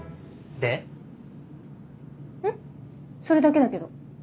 それだけだけど。